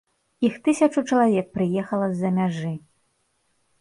Іх тысячу чалавек прыехала з-за мяжы.